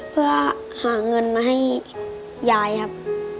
เพื่อหาเงินมาให้ยายครับ